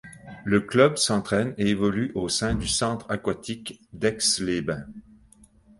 Le club s'entraîne et évolue au sein du Centre aquatique d'Aix-les-Bains.